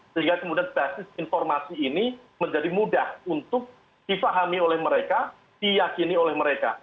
sehingga kemudian basis informasi ini menjadi mudah untuk difahami oleh mereka diyakini oleh mereka